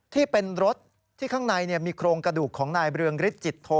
ที่เป็นรถที่ข้างในมีโครงกระดูกของนายเรืองฤทธิจิตโท